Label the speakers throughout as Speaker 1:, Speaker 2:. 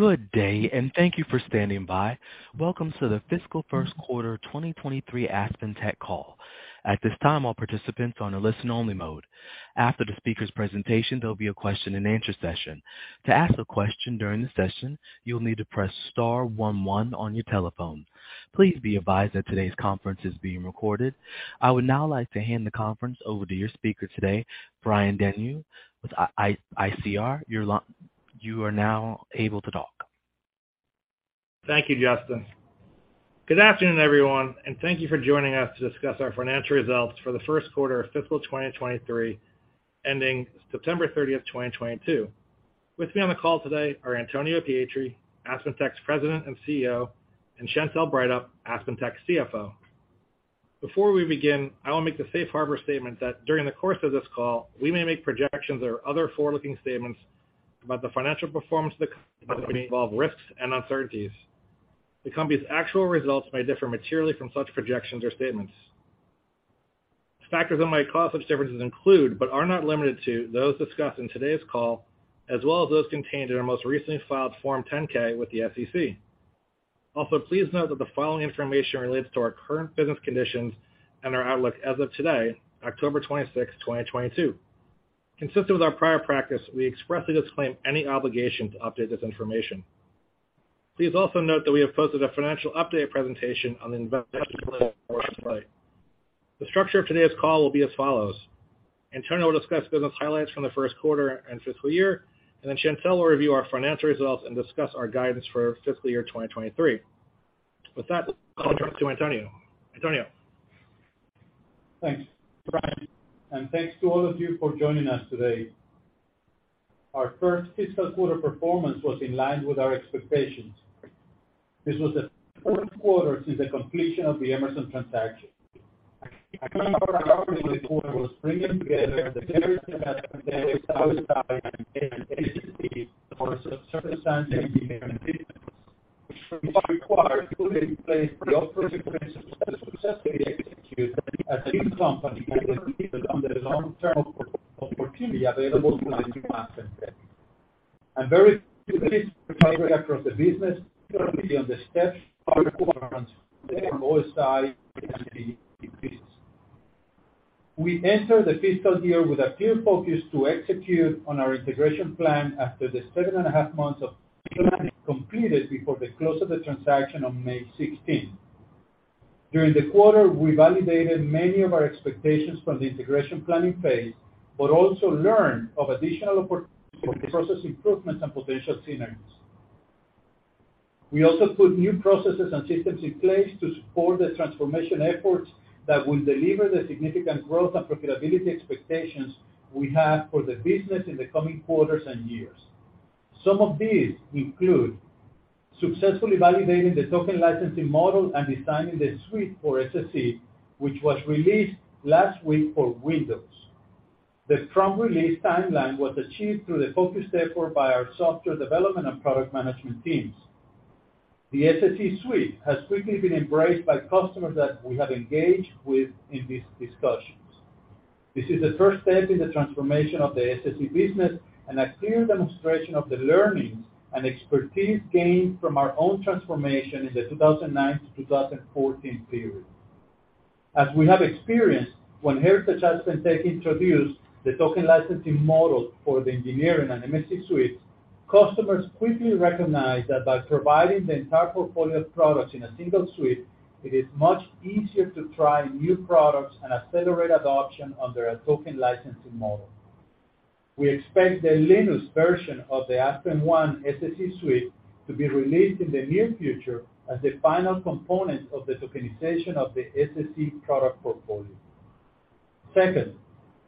Speaker 1: Good day, and thank you for standing by. Welcome to the Fiscal First Quarter 2023 AspenTech Call. At this time, all participants are on a listen-only mode. After the speaker's presentation, there'll be a question and answer session. To ask a question during the session, you'll need to press star one one on your telephone. Please be advised that today's conference is being recorded. I would now like to hand the conference over to your speaker today, Brian Denyeau with ICR. You are now able to talk.
Speaker 2: Thank you, Justin. Good afternoon, everyone, and thank you for joining us to discuss our financial results for the first quarter of fiscal 2023, ending September 30, 2022. With me on the call today are Antonio Pietri, AspenTech's President and CEO, and Chantelle Breithaupt, AspenTech's CFO. Before we begin, I will make the safe harbor statement that during the course of this call, we may make projections or other forward-looking statements about the financial performance of the company involve risks and uncertainties. The company's actual results may differ materially from such projections or statements. Factors that might cause such differences include, but are not limited to, those discussed in today's call, as well as those contained in our most recently filed Form 10-K with the SEC. Also, please note that the following information relates to our current business conditions and our outlook as of today, October 26, 2022. Consistent with our prior practice, we expressly disclaim any obligation to update this information. Please also note that we have posted a financial update presentation on the investor relations website. The structure of today's call will be as follows. Antonio will discuss business highlights from the first quarter and fiscal year, and then Chantelle will review our financial results and discuss our guidance for fiscal year 2023. With that, I'll turn it to Antonio. Antonio.
Speaker 3: Thanks, Brian, and thanks to all of you for joining us today. Our first fiscal quarter performance was in line with our expectations. This was the fourth quarter since the completion of the Emerson transaction. A key priority this quarter was bringing together the Heritage AspenTech and the established OSI and SSE for the subsurface engineering business, which required putting in place the operating principles to successfully execute as a new company and compete on the long-term opportunity available to AspenTech. I'm very pleased with progress across the business, particularly with the strong performance from OSI SSE business. We enter the fiscal year with a clear focus to execute on our integration plan after the seven and a half months of planning completed before the close of the transaction on May sixteenth. During the quarter, we validated many of our expectations from the integration planning phase, but also learned of additional opportunities for process improvements and potential synergies. We also put new processes and systems in place to support the transformation efforts that will deliver the significant growth and profitability expectations we have for the business in the coming quarters and years. Some of these include successfully validating the token licensing model and designing the suite for SSE, which was released last week for Windows. The prompt release timeline was achieved through the focused effort by our software development and product management teams. The SSE suite has quickly been embraced by customers that we have engaged with in these discussions. This is the first step in the transformation of the SSE business and a clear demonstration of the learnings and expertise gained from our own transformation in the 2009 to 2014 period. As we have experienced when Heritage AspenTech introduced the token licensing model for the engineering and MSC suites, customers quickly recognized that by providing the entire portfolio of products in a single suite, it is much easier to try new products and accelerate adoption under a token licensing model. We expect the Linux version of the aspenONE SSE suite to be released in the near future as the final component of the tokenization of the SSE product portfolio. Second,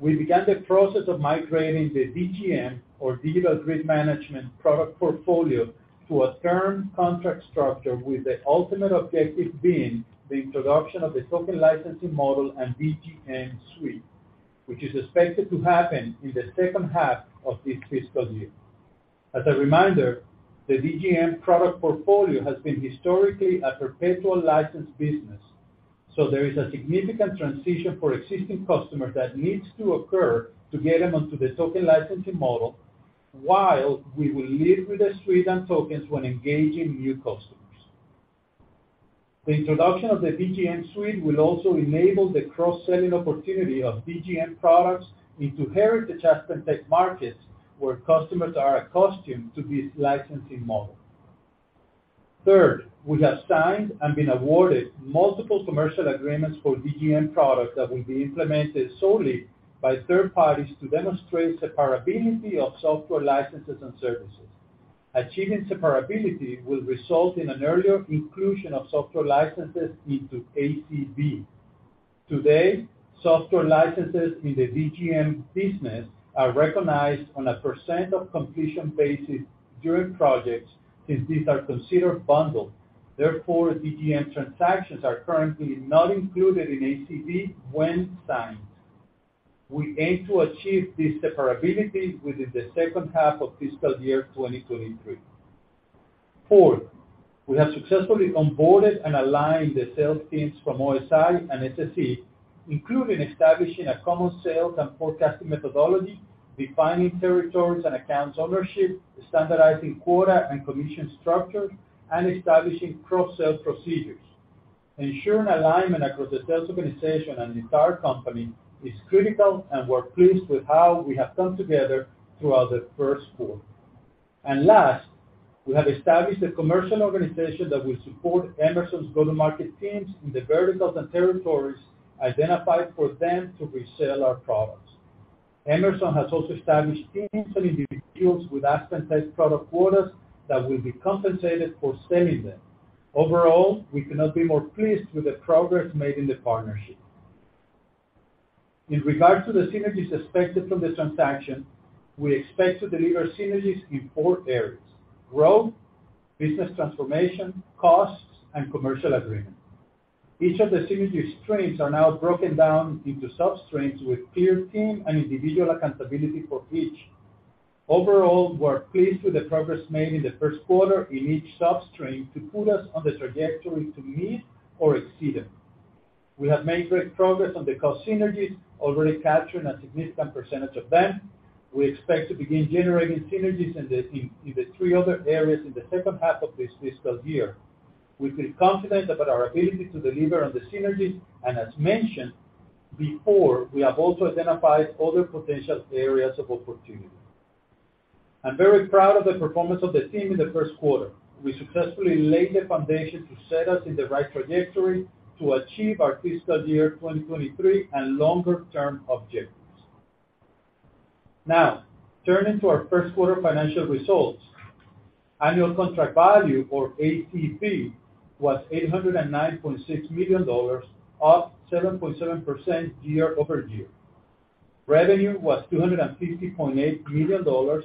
Speaker 3: we began the process of migrating the DGM or Digital Grid Management product portfolio to a term contract structure, with the ultimate objective being the introduction of the token licensing model and DGM suite, which is expected to happen in the second half of this fiscal year. As a reminder, the DGM product portfolio has been historically a perpetual license business. There is a significant transition for existing customers that needs to occur to get them onto the token licensing model while we will lead with the suite and tokens when engaging new customers. The introduction of the DGM suite will also enable the cross-selling opportunity of DGM products into heritage AspenTech markets where customers are accustomed to this licensing model. Third, we have signed and been awarded multiple commercial agreements for DGM products that will be implemented solely by third parties to demonstrate separability of software licenses and services. Achieving separability will result in an earlier inclusion of software licenses into ACV. Today, software licenses in the DGM business are recognized on a percent of completion basis during projects since these are considered bundled. Therefore, DGM transactions are currently not included in ACV when signed. We aim to achieve this separability within the second half of fiscal year 2023. Fourth. We have successfully onboarded and aligned the sales teams from OSI and SSE, including establishing a common sales and forecasting methodology, defining territories and accounts ownership, standardizing quota and commission structures, and establishing cross-sell procedures. Ensuring alignment across the sales organization and the entire company is critical, and we're pleased with how we have come together throughout the first quarter. Last, we have established a commercial organization that will support Emerson's go-to-market teams in the verticals and territories identified for them to resell our products. Emerson has also established teams and individuals with AspenTech product quotas that will be compensated for selling them. Overall, we could not be more pleased with the progress made in the partnership. In regard to the synergies expected from the transaction, we expect to deliver synergies in four areas, growth, business transformation, costs, and commercial agreement. Each of the synergy streams are now broken down into sub-streams with clear team and individual accountability for each. Overall, we're pleased with the progress made in the first quarter in each sub-stream to put us on the trajectory to meet or exceed them. We have made great progress on the cost synergies, already capturing a significant percentage of them. We expect to begin generating synergies in the three other areas in the second half of this fiscal year. We feel confident about our ability to deliver on the synergies, and as mentioned before, we have also identified other potential areas of opportunity. I'm very proud of the performance of the team in the first quarter. We successfully laid the foundation to set us in the right trajectory to achieve our fiscal year 2023 and longer-term objectives. Now, turning to our first quarter financial results. Annual contract value or ACV was $809.6 million, up 7.7% year-over-year. Revenue was $250.8 million.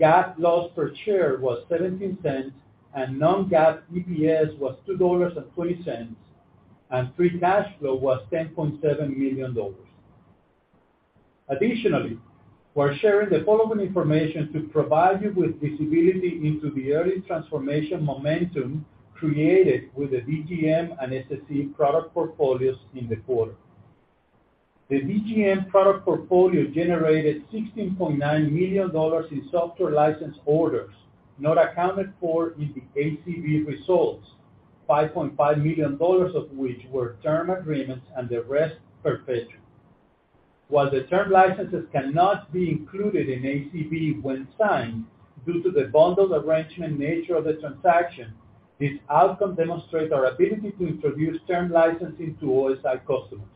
Speaker 3: GAAP loss per share was $0.17, and non-GAAP EPS was $2.20, and free cash flow was $10.7 million. Additionally, we're sharing the following information to provide you with visibility into the early transformation momentum created with the DGM and SSE product portfolios in the quarter. The DGM product portfolio generated $16.9 million in software license orders, not accounted for in the ACV results, $5.5 million of which were term agreements and the rest perpetual. While the term licenses cannot be included in ACV when signed due to the bundled arrangement nature of the transaction, this outcome demonstrates our ability to introduce term licensing to OSI customers.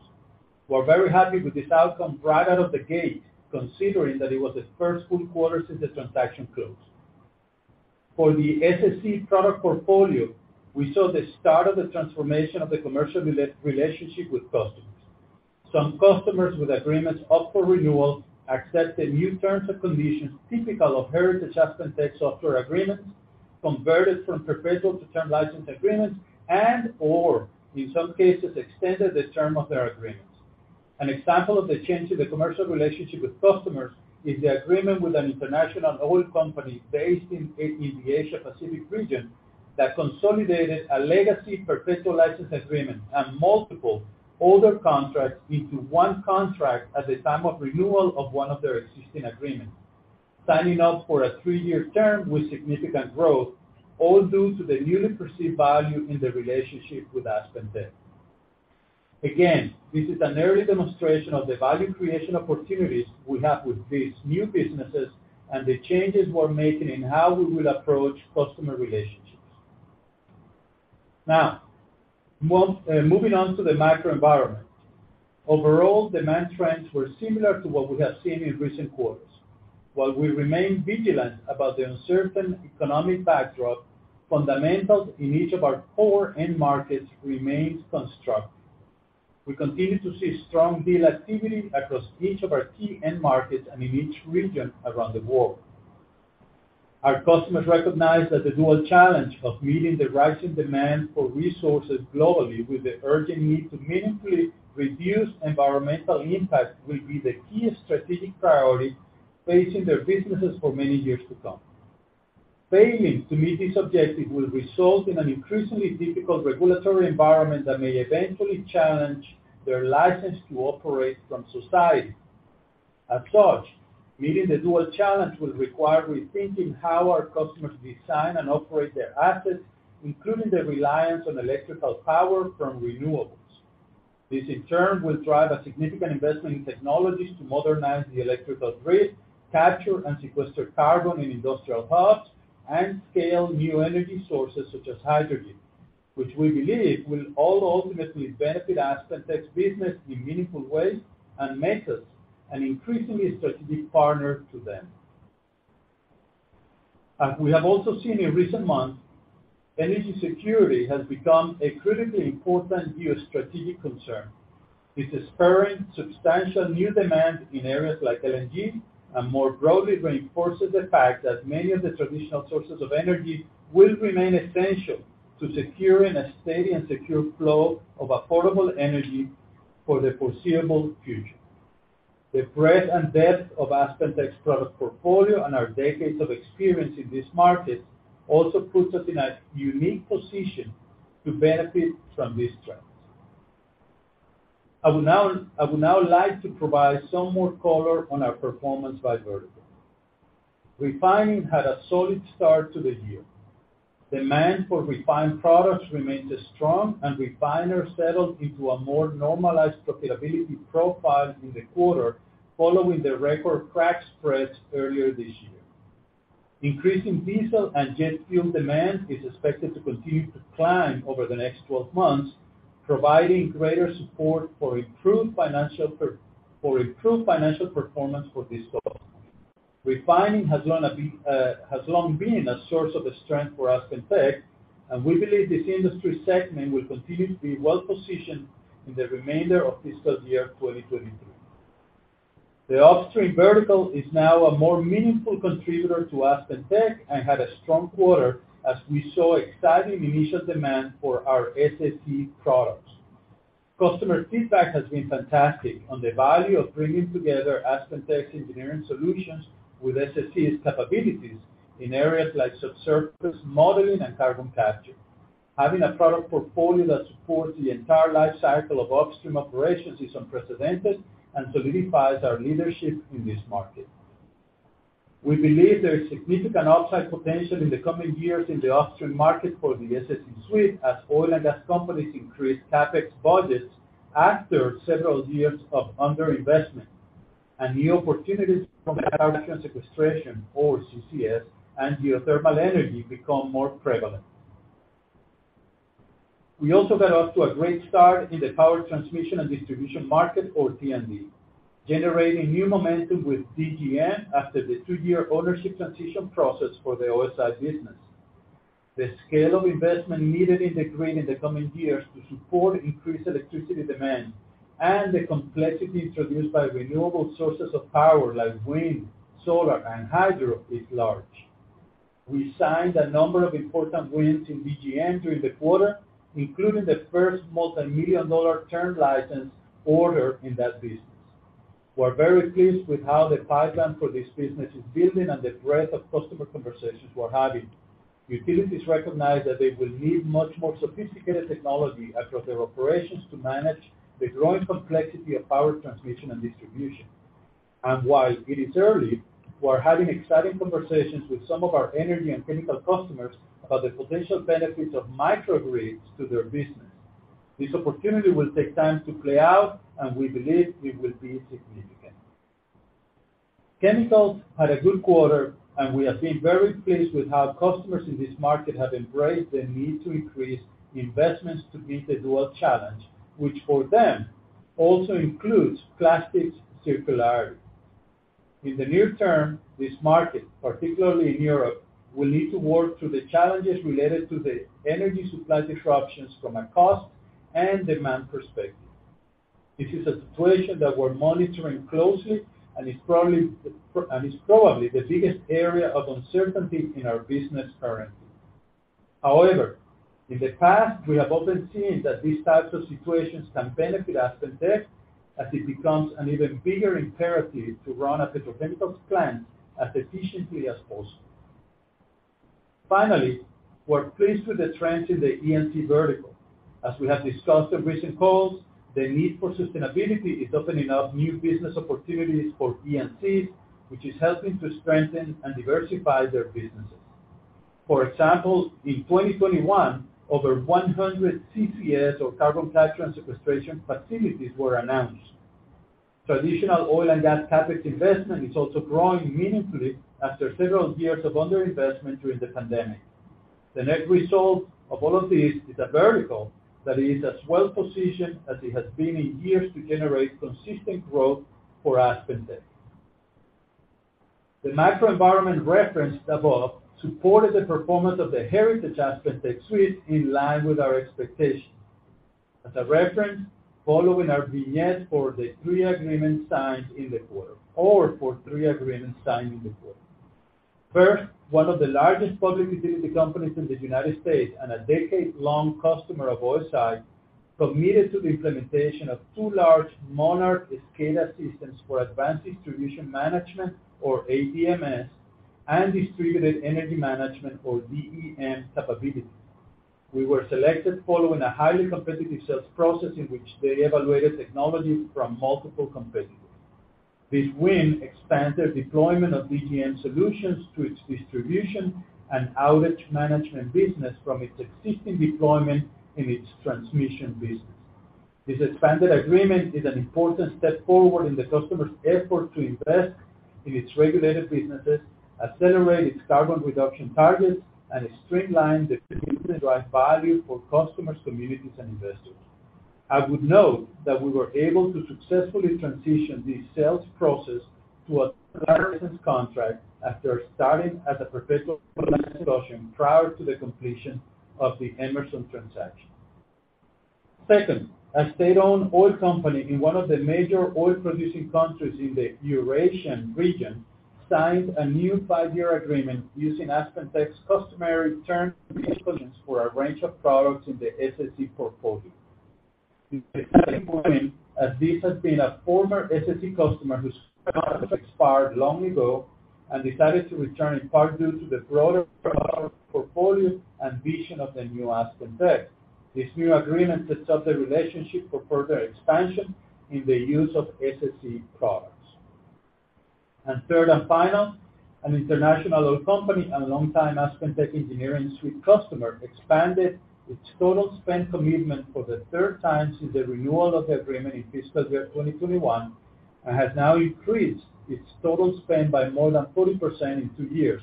Speaker 3: We're very happy with this outcome right out of the gate, considering that it was the first full quarter since the transaction closed. For the SSE product portfolio, we saw the start of the transformation of the commercial relationship with customers. Some customers with agreements up for renewal accepted new terms and conditions typical of Heritage AspenTech software agreements, converted from perpetual to term license agreements, and/or in some cases, extended the term of their agreements. An example of the change to the commercial relationship with customers is the agreement with an international oil company based in the Asia Pacific region that consolidated a legacy perpetual license agreement and multiple older contracts into one contract at the time of renewal of one of their existing agreements, signing up for a three-year term with significant growth, all due to the newly perceived value in the relationship with AspenTech. Again, this is an early demonstration of the value creation opportunities we have with these new businesses and the changes we're making in how we will approach customer relationships. Now, moving on to the macro environment. Overall, demand trends were similar to what we have seen in recent quarters. While we remain vigilant about the uncertain economic backdrop, fundamentals in each of our core end markets remains constructive. We continue to see strong deal activity across each of our key end markets and in each region around the world. Our customers recognize that the dual challenge of meeting the rising demand for resources globally with the urgent need to meaningfully reduce environmental impact will be the key strategic priority facing their businesses for many years to come. Failing to meet this objective will result in an increasingly difficult regulatory environment that may eventually challenge their license to operate from society. As such, meeting the dual challenge will require rethinking how our customers design and operate their assets, including the reliance on electrical power from renewables. This, in turn, will drive a significant investment in technologies to modernize the electrical grid, capture and sequester carbon in industrial hubs, and scale new energy sources such as hydrogen, which we believe will all ultimately benefit AspenTech's business in meaningful ways and make us an increasingly strategic partner to them. As we have also seen in recent months, energy security has become a critically important geostrategic concern. It's spurring substantial new demand in areas like LNG and more broadly reinforces the fact that many of the traditional sources of energy will remain essential to securing a steady and secure flow of affordable energy for the foreseeable future. The breadth and depth of AspenTech's product portfolio and our decades of experience in this market also puts us in a unique position to benefit from these trends. I would now like to provide some more color on our performance by vertical. Refining had a solid start to the year. Demand for refined products remains strong, and refiners settled into a more normalized profitability profile in the quarter following the record crack spreads earlier this year. Increasing diesel and jet fuel demand is expected to continue to climb over the next 12 months, providing greater support for improved financial performance for this quarter. Refining has long been a source of strength for AspenTech, and we believe this industry segment will continue to be well-positioned in the remainder of fiscal year 2023. The upstream vertical is now a more meaningful contributor to AspenTech and had a strong quarter as we saw exciting initial demand for our SSE products. Customer feedback has been fantastic on the value of bringing together AspenTech's engineering solutions with SSE's capabilities in areas like subsurface modeling and carbon capture. Having a product portfolio that supports the entire life cycle of upstream operations is unprecedented and solidifies our leadership in this market. We believe there is significant upside potential in the coming years in the upstream market for the SSE suite as oil and gas companies increase CapEx budgets after several years of underinvestment. New opportunities from carbon sequestration or CCS and geothermal energy become more prevalent. We also got off to a great start in the power transmission and distribution market or T&D, generating new momentum with DGM after the two-year ownership transition process for the OSI business. The scale of investment needed in the green in the coming years to support increased electricity demand and the complexity introduced by renewable sources of power like wind, solar, and hydro is large. We signed a number of important wins in DGM during the quarter, including the first multimillion-dollar term license order in that business. We're very pleased with how the pipeline for this business is building and the breadth of customer conversations we're having. Utilities recognize that they will need much more sophisticated technology across their operations to manage the growing complexity of power transmission and distribution. While it is early, we're having exciting conversations with some of our energy and chemical customers about the potential benefits of microgrids to their business. This opportunity will take time to play out, and we believe it will be significant. Chemicals had a good quarter, and we have been very pleased with how customers in this market have embraced the need to increase investments to meet the dual challenge, which for them also includes plastics circularity. In the near term, this market, particularly in Europe, will need to work through the challenges related to the energy supply disruptions from a cost and demand perspective. This is a situation that we're monitoring closely and is probably the biggest area of uncertainty in our business currently. However, in the past, we have often seen that these types of situations can benefit AspenTech as it becomes an even bigger imperative to run a petrochemical plant as efficiently as possible. Finally, we're pleased with the trends in the E&P vertical. As we have discussed in recent calls, the need for sustainability is opening up new business opportunities for E&Ps, which is helping to strengthen and diversify their businesses. For example, in 2021, over 100 CCS or carbon capture and sequestration facilities were announced. Traditional oil and gas CapEx investment is also growing meaningfully after several years of underinvestment during the pandemic. The net result of all of this is a vertical that is as well-positioned as it has been in years to generate consistent growth for AspenTech. The macro environment referenced above supported the performance of the heritage AspenTech suite in line with our expectations. As a reference, following our guidance for three agreements signed in the quarter. First, one of the largest public utility companies in the United States and a decade-long customer of OSI committed to the implementation of two large Monarch SCADA systems for advanced distribution management or ADMS, and distributed energy management or DERMS capabilities. We were selected following a highly competitive sales process in which they evaluated technologies from multiple competitors. This win expands their deployment of DGM solutions to its distribution and outage management business from its existing deployment in its transmission business. This expanded agreement is an important step forward in the customer's effort to invest in its regulated businesses, accelerate its carbon reduction targets, and streamline to drive value for customers, communities, and investors. I would note that we were able to successfully transition the sales process to a contract after starting as a perpetual license prior to the completion of the Emerson transaction. Second, a state-owned oil company in one of the major oil-producing countries in the Eurasian region signed a new five-year agreement using AspenTech's customary term solutions for a range of products in the SSE portfolio. It has been a former SSE customer whose contract expired long ago and decided to return in part due to the broader product portfolio and vision of the new AspenTech. This new agreement sets up the relationship for further expansion in the use of SSE products. Third and final, an international oil company and longtime AspenTech engineering suite customer expanded its total spend commitment for the third time since the renewal of the agreement in fiscal year 2021, and has now increased its total spend by more than 40% in two years.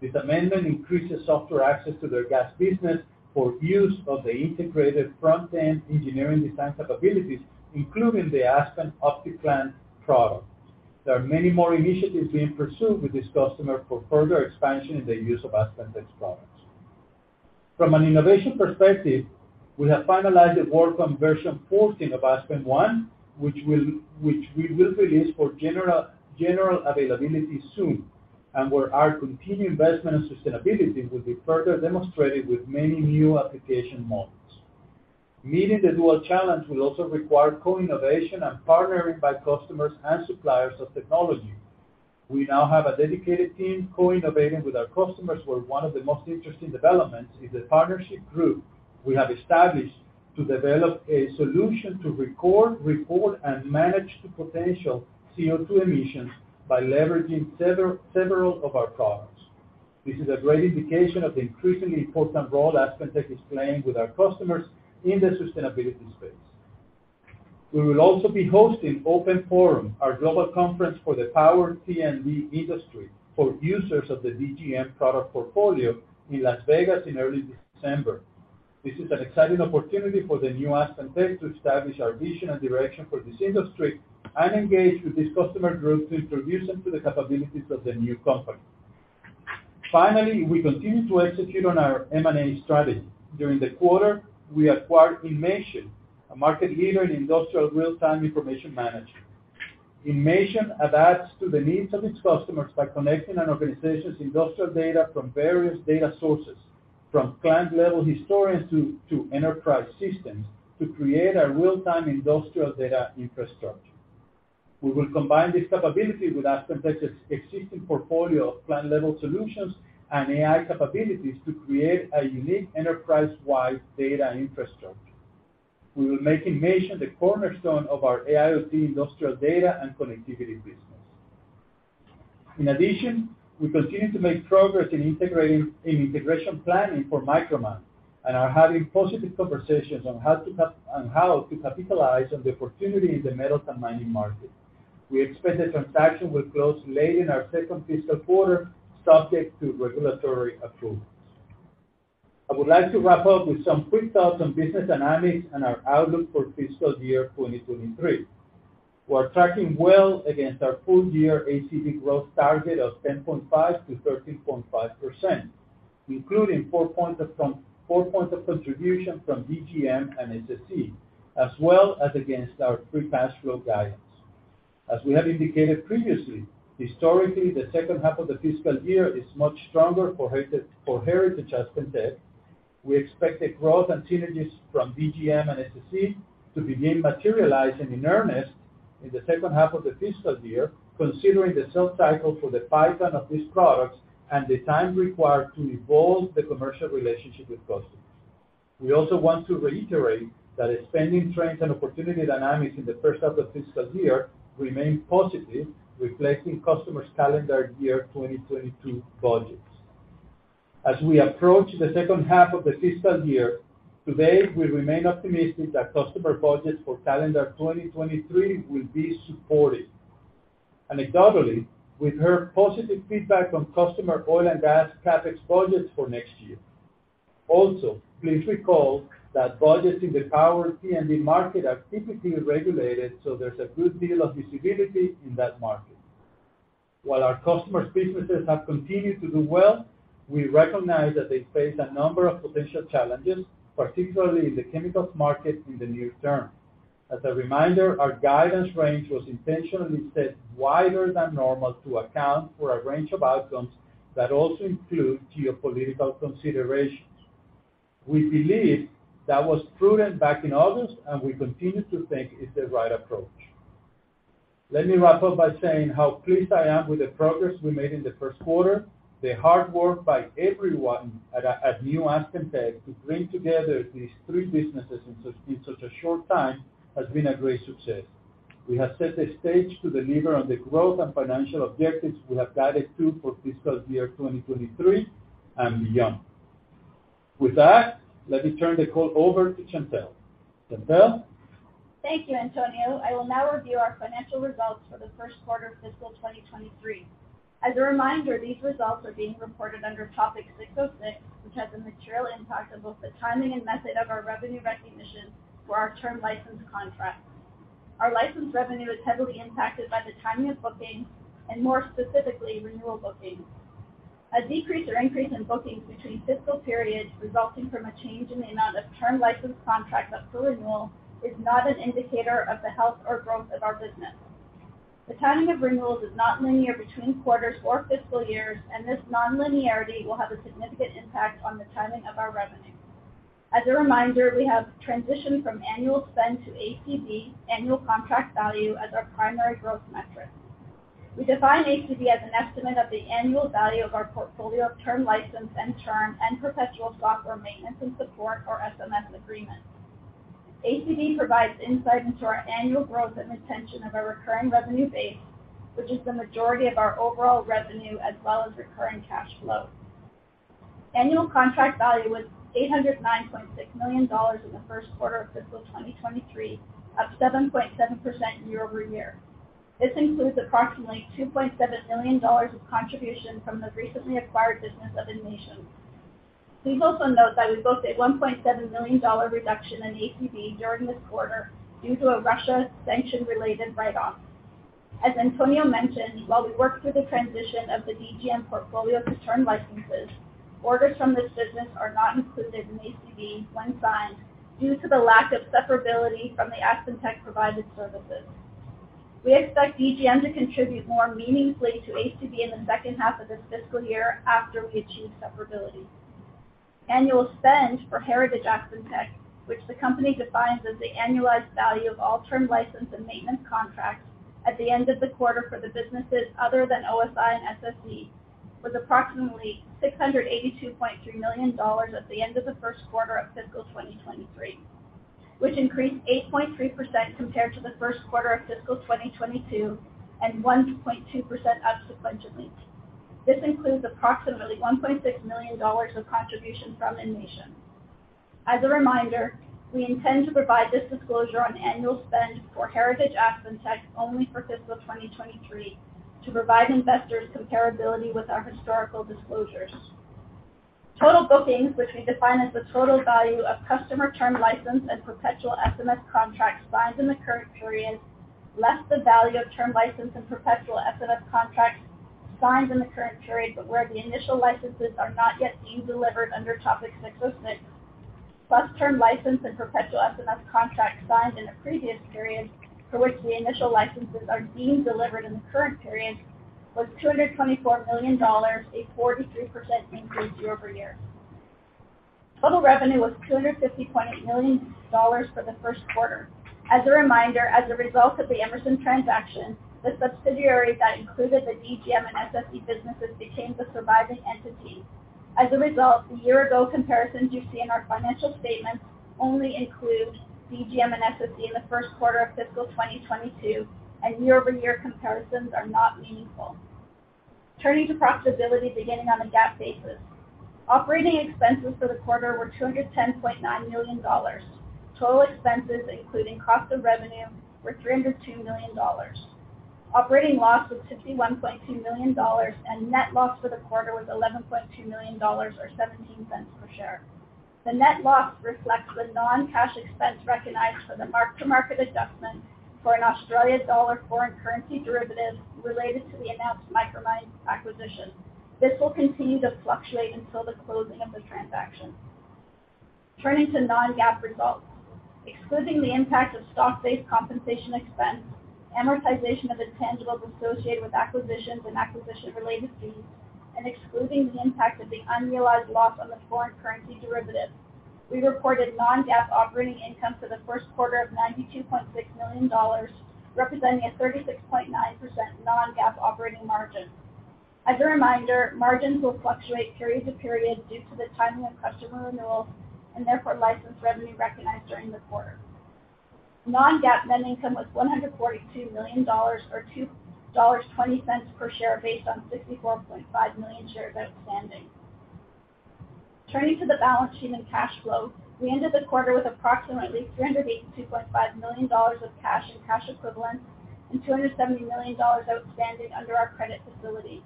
Speaker 3: This amendment increases software access to their gas business for use of the integrated front-end engineering design capabilities, including the Aspen OptiPlant product. There are many more initiatives being pursued with this customer for further expansion in the use of AspenTech's products. From an innovation perspective, we have finalized the work on version 14 of aspenONE, which we will release for general availability soon, and where our continued investment in sustainability will be further demonstrated with many new application models. Meeting the dual challenge will also require co-innovation and partnering by customers and suppliers of technology. We now have a dedicated team co-innovating with our customers, where one of the most interesting developments is a partnership group we have established to develop a solution to record, report, and manage the potential CO2 emissions by leveraging several of our products. This is a great indication of the increasingly important role AspenTech is playing with our customers in the sustainability space. We will also be hosting Open Forum, our global conference for the power T&D industry for users of the DGM product portfolio in Las Vegas in early December. This is an exciting opportunity for the new AspenTech to establish our vision and direction for this industry and engage with this customer group to introduce them to the capabilities of the new company. Finally, we continue to execute on our M&A strategy. During the quarter, we acquired inmation, a market leader in industrial real-time information management. inmation adapts to the needs of its customers by connecting an organization's industrial data from various data sources, from plant level historians to enterprise systems, to create a real-time industrial data infrastructure. We will combine this capability with AspenTech's existing portfolio of plant level solutions and AI capabilities to create a unique enterprise-wide data infrastructure. We will make inmation the cornerstone of our AIoT industrial data and connectivity business. In addition, we continue to make progress in integration planning for Micromine, and are having positive conversations on how to capitalize on the opportunity in the metals and mining market. We expect the transaction will close late in our second fiscal quarter, subject to regulatory approvals. I would like to wrap up with some quick thoughts on business dynamics and our outlook for fiscal year 2023. We're tracking well against our full year ACV growth target of 10.5%-13.5%, including four points of contribution from DGM and SSE, as well as against our free cash flow guidance. As we have indicated previously, historically, the second half of the fiscal year is much stronger for Heritage AspenTech. We expect the growth and synergies from DGM and SSE to begin materializing in earnest in the second half of the fiscal year, considering the sales cycle for the pipeline of these products and the time required to evolve the commercial relationship with customers. We also want to reiterate that spending trends and opportunity dynamics in the first half of fiscal year remain positive, reflecting customers' calendar year 2022 budgets. As we approach the second half of the fiscal year, today, we remain optimistic that customer budgets for calendar 2023 will be supported. Anecdotally, we've heard positive feedback from customer oil and gas CapEx budgets for next year. Also, please recall that budgets in the power T&D market are typically regulated, so there's a good deal of visibility in that market. While our customers' businesses have continued to do well, we recognize that they face a number of potential challenges, particularly in the chemicals market in the near term. As a reminder, our guidance range was intentionally set wider than normal to account for a range of outcomes that also include geopolitical considerations. We believe that was prudent back in August, and we continue to think it's the right approach. Let me wrap up by saying how pleased I am with the progress we made in the first quarter. The hard work by everyone at new AspenTech to bring together these three businesses in such a short time has been a great success. We have set the stage to deliver on the growth and financial objectives we have guided to for fiscal year 2023 and beyond. With that, let me turn the call over to Chantelle. Chantelle?
Speaker 4: Thank you, Antonio. I will now review our financial results for the first quarter of fiscal 2023. As a reminder, these results are being reported under Topic 606, which has a material impact on both the timing and method of our revenue recognition for our term license contracts. Our license revenue is heavily impacted by the timing of bookings and more specifically, renewal bookings. A decrease or increase in bookings between fiscal periods resulting from a change in the amount of term license contracts up for renewal is not an indicator of the health or growth of our business. The timing of renewals is not linear between quarters or fiscal years, and this nonlinearity will have a significant impact on the timing of our revenue. As a reminder, we have transitioned from annual spend to ACV, annual contract value, as our primary growth metric. We define ACV as an estimate of the annual value of our portfolio of term license and term and perpetual software maintenance and support or SMS agreements. ACV provides insight into our annual growth and retention of our recurring revenue base, which is the majority of our overall revenue as well as recurring cash flow. Annual contract value was $809.6 million in the first quarter of fiscal 2023, up 7.7% year-over-year. This includes approximately $2.7 million of contribution from the recently acquired business of inmation. Please also note that we booked a $1.7 million reduction in ACV during this quarter due to a Russia sanction-related write-off. As Antonio mentioned, while we work through the transition of the DGM portfolio to term licenses, orders from this business are not included in ACV when signed due to the lack of separability from the AspenTech-provided services. We expect DGM to contribute more meaningfully to ACV in the second half of this fiscal year after we achieve separability. Annual spend for Heritage AspenTech, which the company defines as the annualized value of all term license and maintenance contracts at the end of the quarter for the businesses other than OSI and SSE, was approximately $682.3 million at the end of the first quarter of fiscal 2023, which increased 8.3% compared to the first quarter of fiscal 2022 and 1.2% up sequentially. This includes approximately $1.6 million of contribution from inmation. As a reminder, we intend to provide this disclosure on annual spend for Heritage AspenTech only for fiscal 2023 to provide investors comparability with our historical disclosures. Total bookings, which we define as the total value of customer term license and perpetual MSA contracts signed in the current period, less the value of term license and perpetual MSA contracts signed in the current period, but where the initial licenses are not yet being delivered under ASC 606, plus term license and perpetual MSA contracts signed in the previous period for which the initial licenses are being delivered in the current period, was $224 million, a 43% increase year-over-year. Total revenue was $250.8 million for the first quarter. As a reminder, as a result of the Emerson transaction, the subsidiary that included the DGM and SSE businesses became the surviving entity. As a result, the year-ago comparisons you see in our financial statements only include DGM and SSE in the first quarter of fiscal 2022, and year-over-year comparisons are not meaningful. Turning to profitability beginning on a GAAP basis. Operating expenses for the quarter were $210.9 million. Total expenses, including cost of revenue, were $302 million. Operating loss was $61.2 million, and net loss for the quarter was $11.2 million or $0.17 per share. The net loss reflects the non-cash expense recognized for the mark-to-market adjustment for an Australian dollar foreign currency derivative related to the announced Micromine acquisition. This will continue to fluctuate until the closing of the transaction. Turning to non-GAAP results. Excluding the impact of stock-based compensation expense, amortization of intangibles associated with acquisitions and acquisition-related fees, and excluding the impact of the unrealized loss on the foreign currency derivative, we reported non-GAAP operating income for the first quarter of $92.6 million, representing a 36.9% non-GAAP operating margin. As a reminder, margins will fluctuate period to period due to the timing of customer renewals and therefore license revenue recognized during the quarter. Non-GAAP net income was $142 million or $2.20 per share based on 64.5 million shares outstanding. Turning to the balance sheet and cash flow. We ended the quarter with approximately $382.5 million of cash and cash equivalents and $270 million outstanding under our credit facility.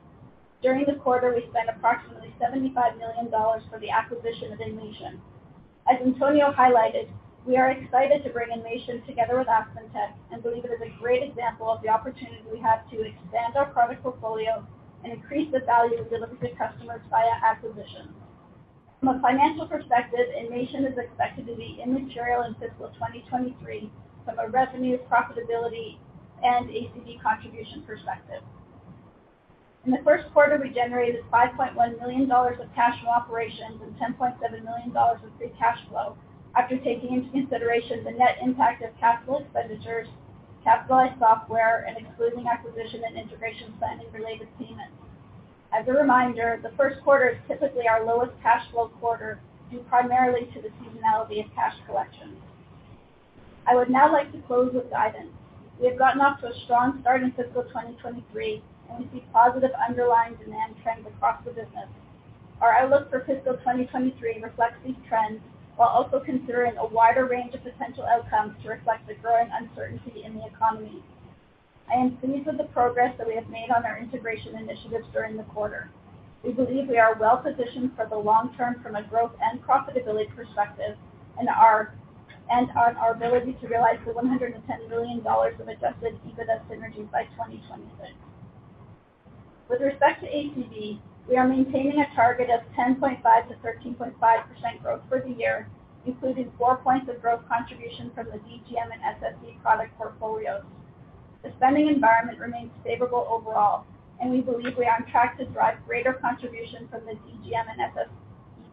Speaker 4: During the quarter, we spent approximately $75 million for the acquisition of inmation. As Antonio highlighted, we are excited to bring inmation together with AspenTech and believe it is a great example of the opportunity we have to expand our product portfolio and increase the value we deliver to customers via acquisitions. From a financial perspective, inmation is expected to be immaterial in fiscal 2023 from a revenue, profitability, and ACV contribution perspective. In the first quarter, we generated $5.1 million of cash from operations and $10.7 million of free cash flow after taking into consideration the net impact of capital expenditures, capitalized software, and excluding acquisition and integration planning-related payments. As a reminder, the first quarter is typically our lowest cash flow quarter due primarily to the seasonality of cash collections. I would now like to close with guidance. We have gotten off to a strong start in fiscal 2023, and we see positive underlying demand trends across the business. Our outlook for fiscal 2023 reflects these trends while also considering a wider range of potential outcomes to reflect the growing uncertainty in the economy. I am pleased with the progress that we have made on our integration initiatives during the quarter. We believe we are well positioned for the long term from a growth and profitability perspective. On our ability to realize the $110 million of adjusted EBITDA synergies by 2026. With respect to ATB, we are maintaining a target of 10.5%-13.5% growth for the year, including four points of growth contribution from the DGM and SSE product portfolios. The spending environment remains favorable overall, and we believe we are on track to drive greater contribution from the DGM and SSE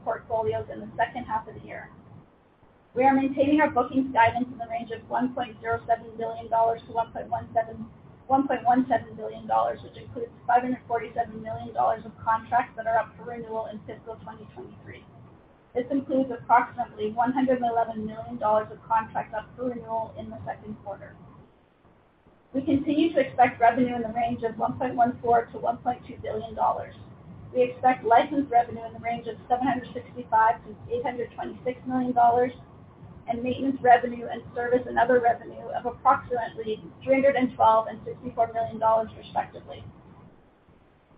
Speaker 4: portfolios in the second half of the year. We are maintaining our bookings guidance in the range of $1.07 billion-$1.17 billion, which includes $547 million of contracts that are up for renewal in fiscal 2023. This includes approximately $111 million of contracts up for renewal in the second quarter. We continue to expect revenue in the range of $1.14 billion-$1.2 billion. We expect license revenue in the range of $765 million-$826 million, and maintenance revenue and service and other revenue of approximately $312 million and $54 million, respectively.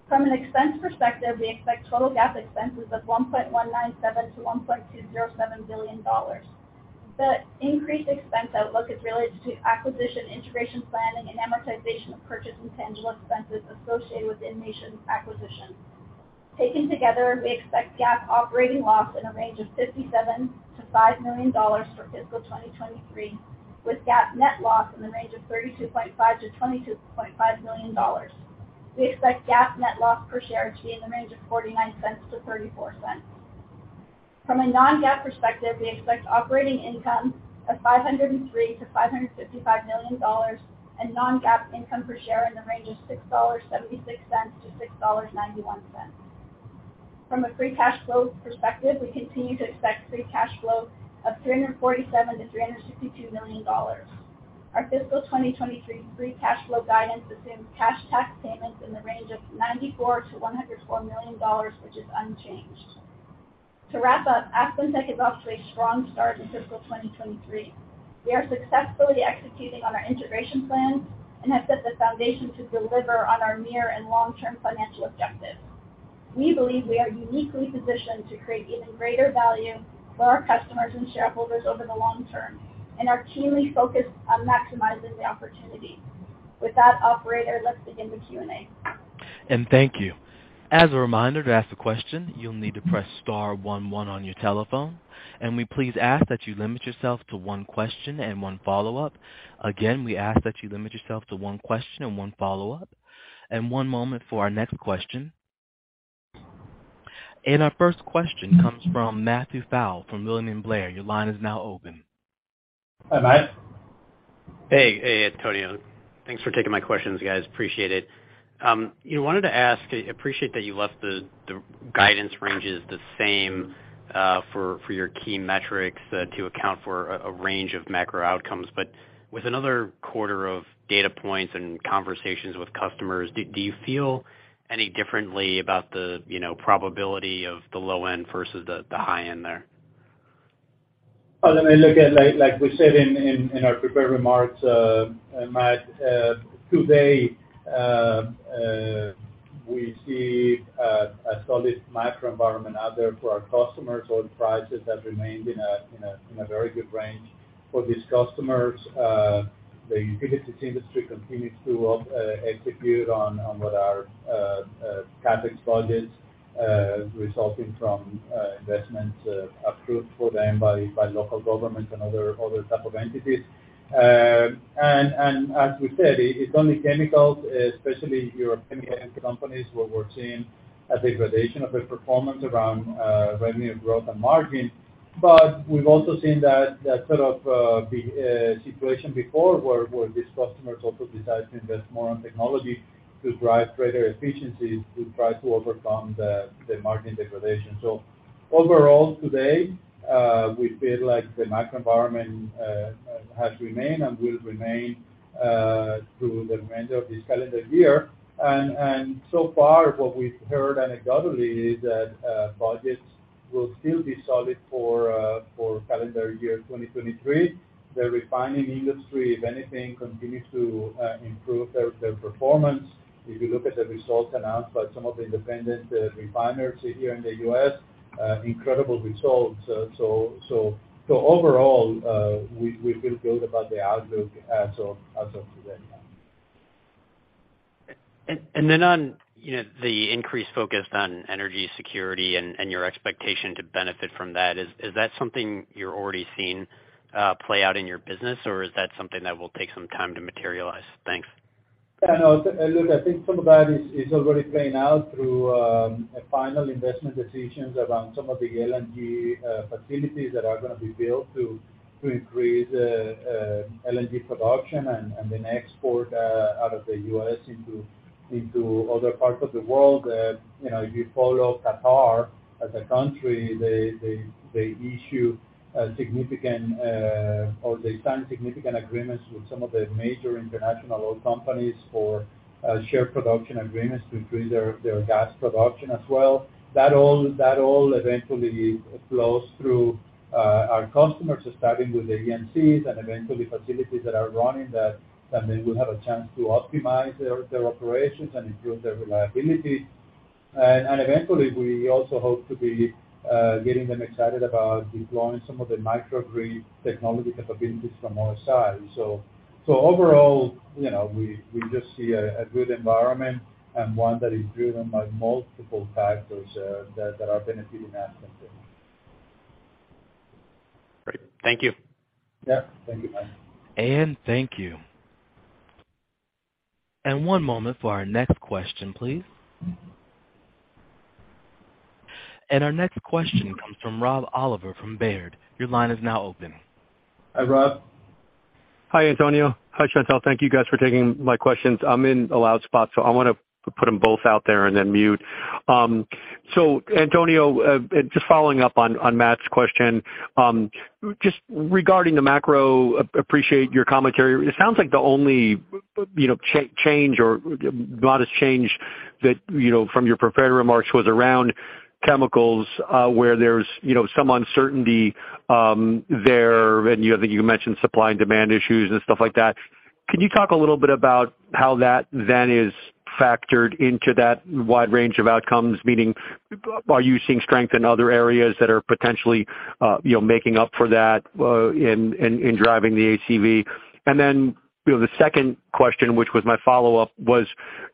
Speaker 4: From an expense perspective, we expect total GAAP expenses of $1.197 billion-$1.207 billion. The increased expense outlook is related to acquisition, integration planning, and amortization of purchase and tangible expenses associated with inmation's acquisition. Taken together, we expect GAAP operating loss in a range of $57 million-$5 million for fiscal 2023, with GAAP net loss in the range of $32.5 million-$22.5 million. We expect GAAP net loss per share to be in the range of $0.49-$0.34. From a non-GAAP perspective, we expect operating income of $503 million-$555 million and non-GAAP income per share in the range of $6.76-$6.91. From a free cash flow perspective, we continue to expect free cash flow of $347 million-$352 million. Our fiscal 2023 free cash flow guidance assumes cash tax payments in the range of $94 million-$104 million, which is unchanged. To wrap up, AspenTech is off to a strong start in fiscal 2023. We are successfully executing on our integration plans and have set the foundation to deliver on our near and long-term financial objectives. We believe we are uniquely positioned to create even greater value for our customers and shareholders over the long term and are keenly focused on maximizing the opportunity. With that, operator, let's begin the Q&A.
Speaker 1: Thank you. As a reminder, to ask a question, you'll need to press star one one on your telephone, and we please ask that you limit yourself to one question and one follow-up. Again, we ask that you limit yourself to one question and one follow-up. One moment for our next question. Our first question comes from Matthew Pfau from William Blair. Your line is now open.
Speaker 3: Hi, Matt.
Speaker 5: Hey. Hey, Antonio. Thanks for taking my questions, guys. Appreciate it. You know, wanted to ask. I appreciate that you left the guidance ranges the same, for your key metrics, to account for a range of macro outcomes. With another quarter of data points and conversations with customers, do you feel any differently about the, you know, probability of the low end versus the high end there?
Speaker 3: Well, I mean, look, like we said in our prepared remarks, Matt, today we see a solid macro environment out there for our customers. Oil prices have remained in a very good range for these customers. The utilities industry continues to execute on what are CapEx budgets resulting from investments approved for them by local government and other type of entities. As we said, it's only chemicals, especially European companies, where we're seeing a degradation of their performance around revenue growth and margin. We've also seen that sort of situation before where these customers also decide to invest more on technology to drive greater efficiencies to try to overcome the margin degradation. Overall, today, we feel like the macro environment has remained and will remain through the remainder of this calendar year. So far what we've heard anecdotally is that budgets will still be solid for calendar year 2023. The refining industry, if anything, continues to improve their performance. If you look at the results announced by some of the independent refiners here in the U.S., incredible results. Overall, we feel good about the outlook as of today, Matt.
Speaker 5: On, you know, the increased focus on energy security and your expectation to benefit from that, is that something you're already seeing play out in your business, or is that something that will take some time to materialize? Thanks.
Speaker 3: Yeah, no. Look, I think some of that is already playing out through final investment decisions around some of the LNG facilities that are gonna be built to increase LNG production and then export out of the U.S. into other parts of the world. You know, if you follow Qatar as a country, they sign significant agreements with some of the major international oil companies for shared production agreements to increase their gas production as well. That all eventually flows through our customers, starting with the EPCs and eventually facilities that are running that then will have a chance to optimize their operations and improve their reliability. Eventually, we also hope to be getting them excited about deploying some of the microgrid technology capabilities from our side. Overall, you know, we just see a good environment and one that is driven by multiple factors that are benefiting AspenTech.
Speaker 5: Great. Thank you.
Speaker 3: Yeah. Thank you, Matt.
Speaker 1: Thank you. One moment for our next question, please. Our next question comes from Rob Oliver from Baird. Your line is now open.
Speaker 3: Hi, Rob.
Speaker 6: Hi, Antonio. Hi, Chantelle. Thank you guys for taking my questions. I'm in a loud spot, so I wanna put them both out there and then mute. Antonio, just following up on Matt's question, just regarding the macro, appreciate your commentary. It sounds like the only, you know, change or modest change that, you know, from your prepared remarks was around chemicals, where there's, you know, some uncertainty there, and you mentioned supply and demand issues and stuff like that. Can you talk a little bit about how that then is factored into that wide range of outcomes, meaning are you seeing strength in other areas that are potentially, you know, making up for that, in driving the ACV? Then, you know, the second question, which was my follow-up, was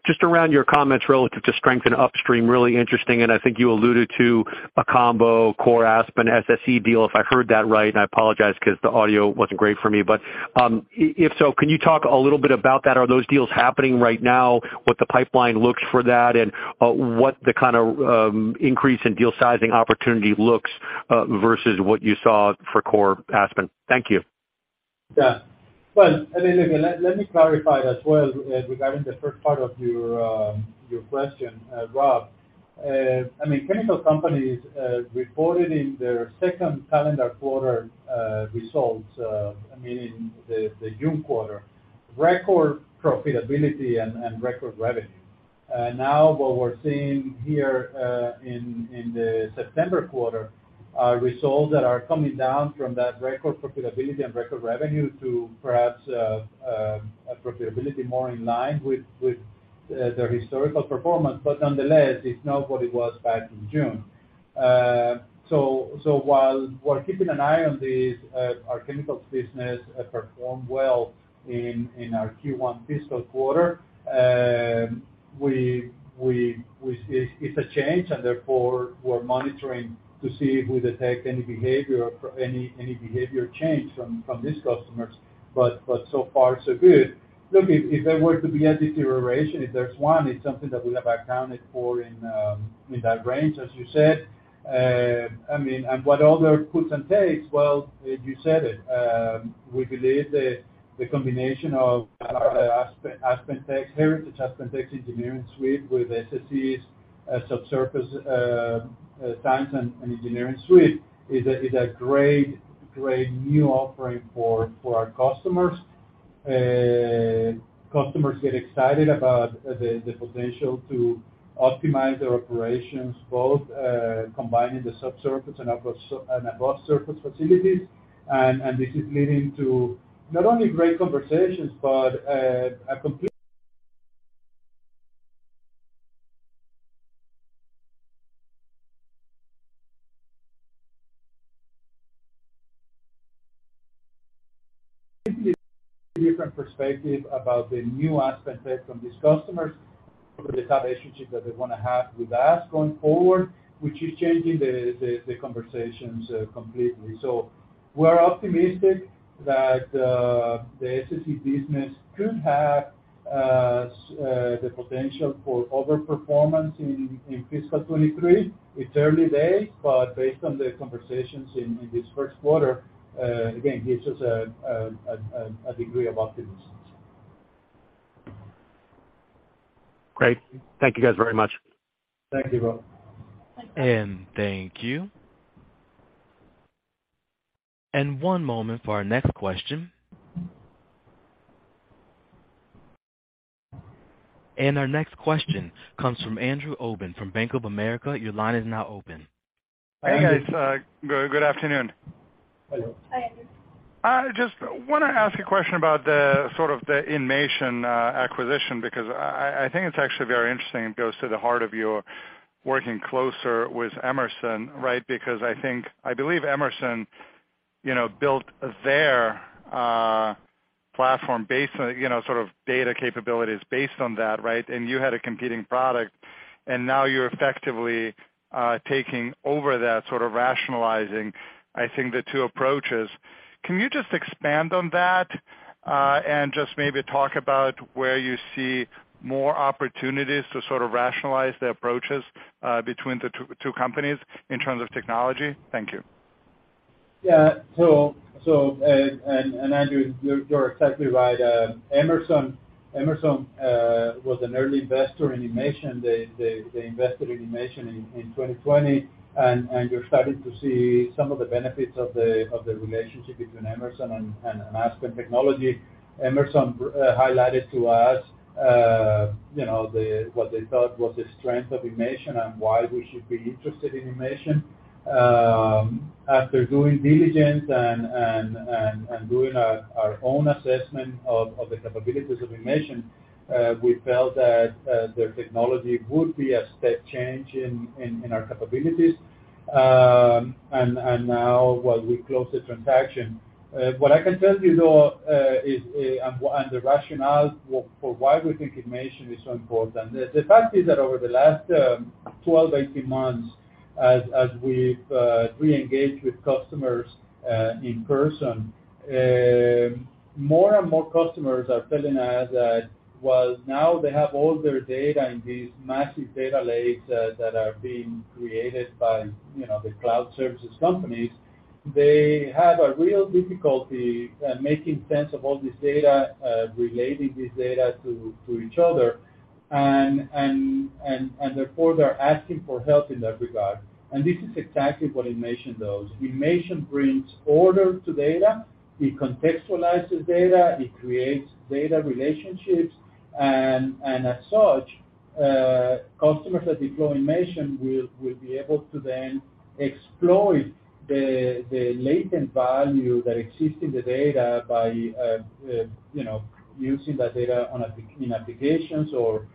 Speaker 6: just around your comments relative to strength in upstream, really interesting. I think you alluded to a combo Core Aspen SSE deal, if I heard that right, and I apologize 'cause the audio wasn't great for me. If so, can you talk a little bit about that? Are those deals happening right now? What the pipeline looks like for that, and what the kind of increase in deal sizing opportunity looks like versus what you saw for Core Aspen. Thank you.
Speaker 3: Well, I mean, look, let me clarify as well regarding the first part of your question, Rob. I mean, chemical companies reported in their second calendar quarter results, I mean, in the June quarter, record profitability and record revenue. Now what we're seeing here in the September quarter are results that are coming down from that record profitability and record revenue to perhaps a profitability more in line with their historical performance. Nonetheless, it's not what it was back in June. While we're keeping an eye on this, our chemicals business performed well in our Q1 fiscal quarter. It's a change, and therefore we're monitoring to see if we detect any behavior change from these customers. So far, so good. Look, if there were to be a deterioration, if there's one, it's something that we have accounted for in that range, as you said. I mean, what other puts and takes, well, you said it. We believe the combination of AspenTech heritage, AspenTech engineering suite with SSE's subsurface science and engineering suite is a great new offering for our customers. Customers get excited about the potential to optimize their operations, both combining the subsurface and above surface facilities. This is leading to not only great conversations, but a complete different perspective about the new AspenTech from these customers for the type relationship that they wanna have with us going forward, which is changing the conversations completely. We're optimistic that the SSE business could have the potential for overperformance in fiscal 2023. It's early days, but based on the conversations in this first quarter, again gives us a degree of optimism.
Speaker 6: Great. Thank you, guys, very much.
Speaker 3: Thank you, Rob.
Speaker 1: Thank you. One moment for our next question. Our next question comes from Andrew Obin from Bank of America. Your line is now open.
Speaker 3: Hi, Andrew Obin.
Speaker 7: Hey, guys. Good afternoon.
Speaker 4: Hello.
Speaker 7: Hi, Andrew. I just wanna ask a question about the sort of the inmation acquisition, because I think it's actually very interesting. It goes to the heart of you working closer with Emerson, right? Because I believe Emerson, you know, built their platform based on, you know, sort of data capabilities based on that, right? And you had a competing product, and now you're effectively taking over that, sort of rationalizing, I think, the two approaches. Can you just expand on that, and just maybe talk about where you see more opportunities to sort of rationalize the approaches between the two companies in terms of technology? Thank you.
Speaker 3: Andrew, you're exactly right. Emerson was an early investor in inmation. They invested in inmation in 2020. You're starting to see some of the benefits of the relationship between Emerson and Aspen Technology. Emerson highlighted to us, you know, what they thought was the strength of inmation and why we should be interested in inmation. After doing diligence and doing our own assessment of the capabilities of inmation, we felt that their technology would be a step change in our capabilities. Now while we close the transaction. What I can tell you though is the rationale for why we think inmation is so important. The fact is that over the last 12, 18 months, as we've re-engaged with customers in person, more and more customers are telling us that while now they have all their data in these massive data lakes that are being created by, you know, the cloud services companies, they have a real difficulty making sense of all this data, relating this data to each other. Therefore, they're asking for help in that regard. This is exactly what inmation does. inmation brings order to data. It contextualizes data. It creates data relationships. As such, customers that deploy inmation will be able to then exploit the latent value that exists in the data by, you know, using that data in applications or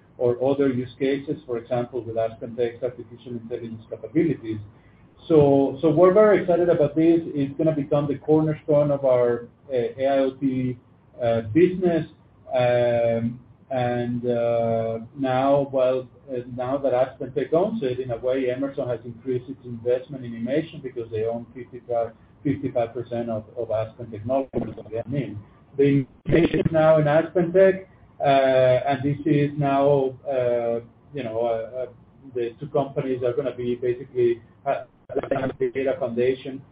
Speaker 3: other use cases, for example, with AspenTech's application intelligence capabilities. We're very excited about this. It's gonna become the cornerstone of our AIoT business. Now that AspenTech owns it, in a way, Emerson has increased its investment in inmation because they own 55% of Aspen Technology, is what they are named. The inmation now in AspenTech, and this is now, you know, the two companies are gonna be basically having the data foundation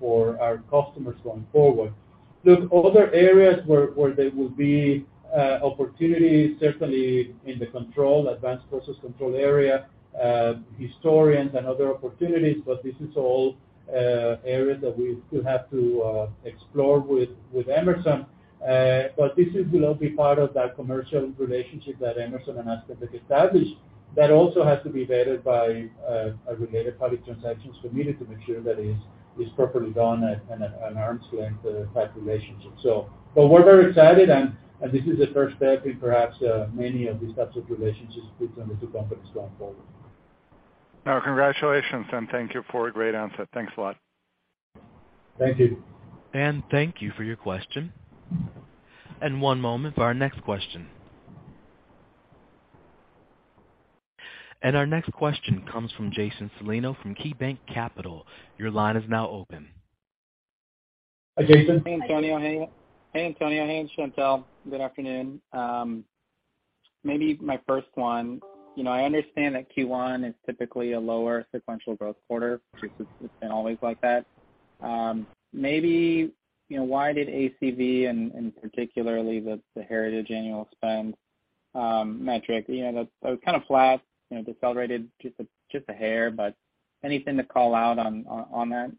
Speaker 3: for our customers going forward. Look, other areas where there will be opportunities, certainly in the control, advanced process control area, historians and other opportunities, but this is all areas that we still have to explore with Emerson. This will now be part of that commercial relationship that Emerson and AspenTech established that also has to be vetted by a Related Party Transactions Committee to make sure that it's properly done at an arm's length type relationship. We're very excited and this is the first step in perhaps many of these types of relationships between the two companies going forward.
Speaker 7: Oh, congratulations, and thank you for a great answer. Thanks a lot.
Speaker 3: Thank you.
Speaker 1: Thank you for your question. One moment for our next question. Our next question comes from Jason Celino from KeyBanc Capital Markets. Your line is now open.
Speaker 3: Hi, Jason.
Speaker 8: Hey, Antonio. Hey, Antonio. Hey, Chantelle. Good afternoon. Maybe my first one, you know, I understand that Q1 is typically a lower sequential growth quarter, which it's been always like that. Maybe, you know, why did ACV and particularly the heritage annual spend metric, you know, that's kind of flat, you know, decelerated just a hair, but anything to call out on that?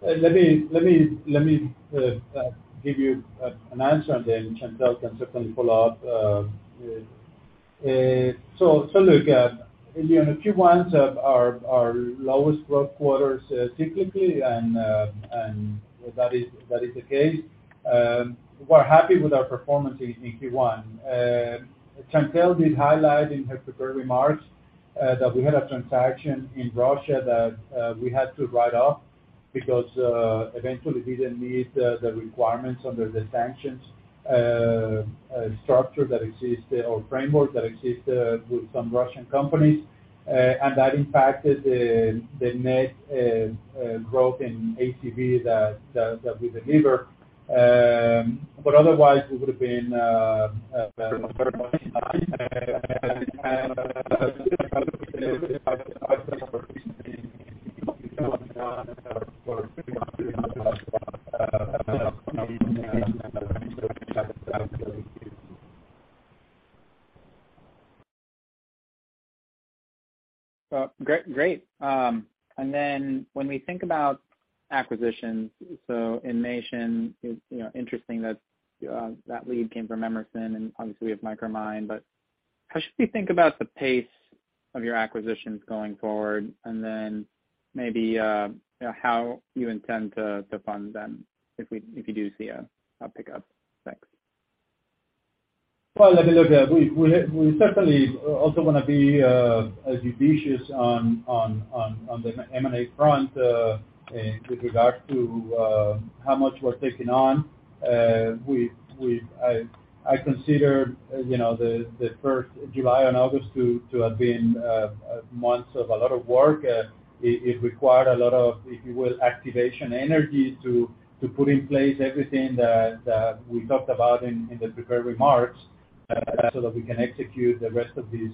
Speaker 3: Let me give you an answer and then Chantelle can certainly follow up. Look, you know, Q1s are our lowest growth quarters, typically, and that is the case. We're happy with our performance in Q1. Chantelle did highlight in her prepared remarks that we had a transaction in Russia that we had to write off because it eventually didn't meet the requirements under the sanctions structure that exists or framework that exists with some Russian companies. That impacted the net growth in ACV that we deliver. Otherwise, we would have been
Speaker 8: Well, great. When we think about acquisitions, inmation is, you know, interesting that that lead came from Emerson and obviously we have Micromine, but how should we think about the pace of your acquisitions going forward? Maybe, you know, how you intend to fund them if you do see a pickup? Thanks.
Speaker 9: Well, let me look. We certainly also wanna be judicious on the M&A front with regard to how much we're taking on. I consider, you know, the first July and August to have been months of a lot of work. It required a lot of, if you will, activation energy to put in place everything that we talked about in the prepared remarks so that we can execute the rest of this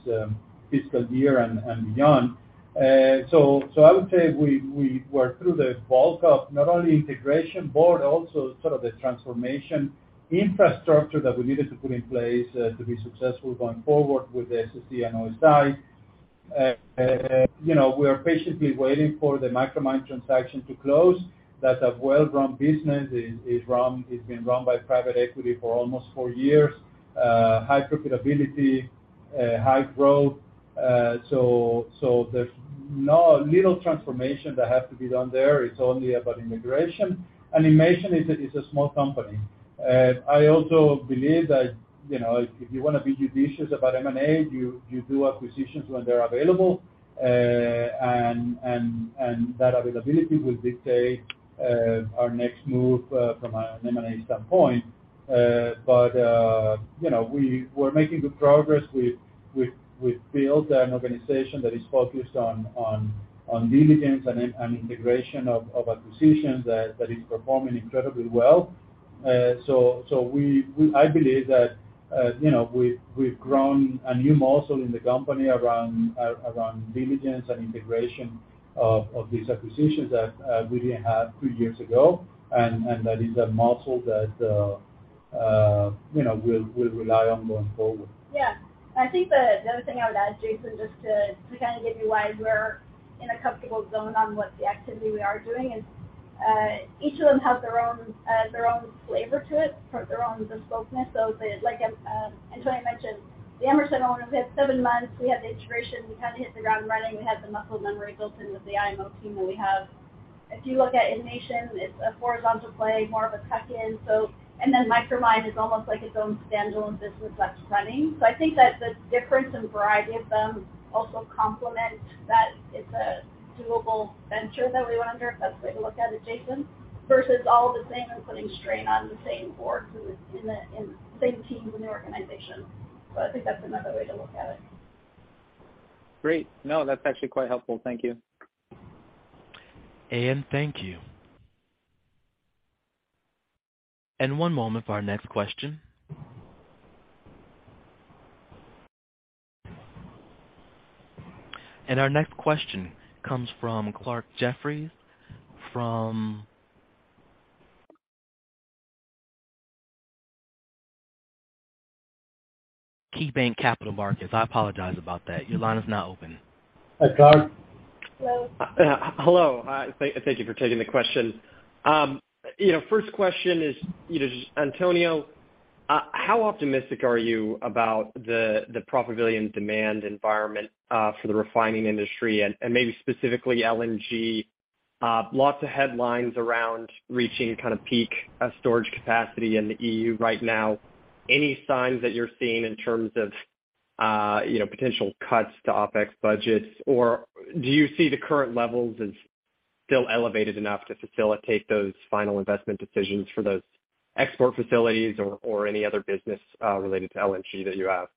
Speaker 9: fiscal year and beyond. I would say we were through the bulk of not only integration but also sort of the transformation infrastructure that we needed to put in place to be successful going forward with the SSE and OSI.
Speaker 3: You know, we are patiently waiting for the Micromine transaction to close. That's a well-run business. It's been run by private equity for almost four years. High profitability, high growth. So there's little transformation that has to be done there. It's only about inmation. Inmation is a small company. I also believe that, you know, if you wanna be judicious about M&A, you do acquisitions when they're available. And that availability will dictate our next move from an M&A standpoint. You know, we're making good progress with building an organization that is focused on diligence and integration of acquisitions that is performing incredibly well. I believe that, you know, we've grown a new muscle in the company around diligence and integration of these acquisitions that we didn't have two years ago. That is a muscle that you know, we'll rely on going forward.
Speaker 4: Yeah. I think the other thing I would add, Jason, just to kind of give you why we're in a comfortable zone on what the activity we are doing, and each of them have their own flavor to it, their own distinctness. Like Antonio mentioned, the Emerson acquisition, we have seven months, we have the integration, we kind of hit the ground running, we have the muscle memory built in with the IMO team that we have. If you look at inmation, it is a horizontal play, more of a tuck in. Micromine is almost like its own standalone business that is running. I think that the difference in variety of them also complement that it's a doable venture that we went under, if that's the way to look at it, Jason, versus all the same and putting strain on the same board who is in the same team in the organization. I think that's another way to look at it.
Speaker 8: Great. No, that's actually quite helpful. Thank you.
Speaker 1: Thank you. One moment for our next question. Our next question comes from Clarke Jeffries from KeyBanc Capital Markets. I apologize about that. Your line is now open.
Speaker 3: Hi, Clarke.
Speaker 4: Hello.
Speaker 10: Hello. Hi. Thank you for taking the question. You know, first question is, you know, just Antonio, how optimistic are you about the profitability and demand environment for the refining industry and maybe specifically LNG? Lots of headlines around reaching kind of peak storage capacity in the EU right now. Any signs that you're seeing in terms of, you know, potential cuts to OpEx budgets? Or do you see the current levels as still elevated enough to facilitate those final investment decisions for those export facilities or any other business related to LNG that you have?